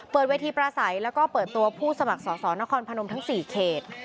เวทีประสัยแล้วก็เปิดตัวผู้สมัครสอสอนครพนมทั้ง๔เขต